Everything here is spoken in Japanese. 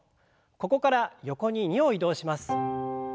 ここから横に２歩移動します。